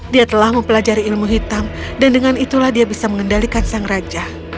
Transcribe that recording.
dia telah mempelajari ilmu hitam dan dengan itulah dia bisa mengendalikan sang raja